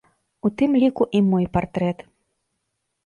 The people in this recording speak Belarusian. У тым ліку і мой партрэт.